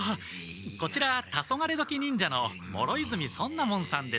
こちらタソガレドキ忍者の諸泉尊奈門さんです。